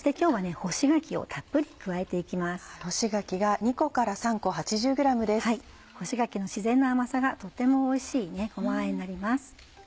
干し柿の自然な甘さがとってもおいしいごまあえになります。